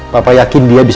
papa yakin dia bisa